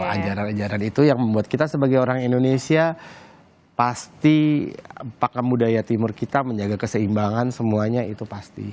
ajaran ajaran itu yang membuat kita sebagai orang indonesia pasti pakem budaya timur kita menjaga keseimbangan semuanya itu pasti